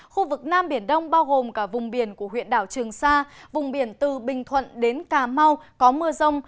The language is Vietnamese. khu vực nam biển đông bao gồm cả vùng biển của huyện đảo trường sa vùng biển từ bình thuận đến cà mau có mưa rông